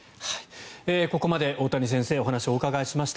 ここまで大谷先生にお話を伺いました。